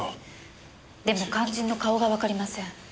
でも肝心の顔がわかりません。